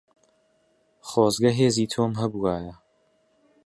خۆزگە هێزی تۆم هەبوایە.